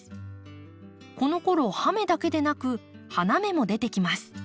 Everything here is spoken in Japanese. このころ葉芽だけでなく花芽も出てきます。